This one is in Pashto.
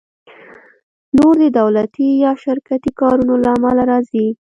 نور د دولتي یا شرکتي کارونو له امله راځي